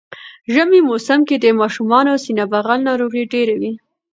ژمی موسم کی د ماشومانو سینه بغل ناروغی ډیره وی